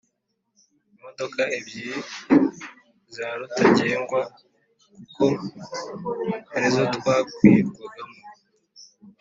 imodokaebyiri za rutagengwa kuko arizotwakwirwagamo.